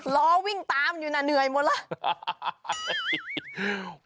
รอวิ่งตามอยู่น่ะเหนื่อยหมดแล้ว